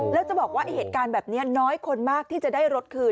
แล้วจะบอกว่าเหตุการณ์แบบนี้น้อยคนมากที่จะได้รถคืน